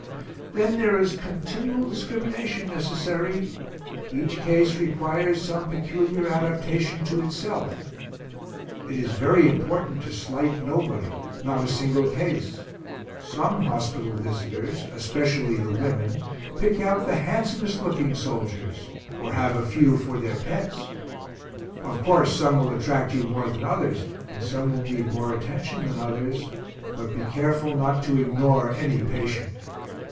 Then there is continual discrimination necessary. Each case requires some peculiar adaptation to itself. It is very important to slight nobody not a single case. Some hospital visitors, especially the women, pick out the handsomest looking soldiers, or have a few for their pets. Of course some will attract you more than others, and some will need more attention than others; but be careful not to ignore any patient.